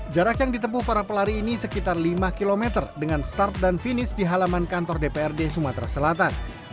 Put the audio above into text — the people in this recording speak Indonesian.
jarak yang ditempuh para pelari ini sekitar lima km dengan start dan finish di halaman kantor dprd sumatera selatan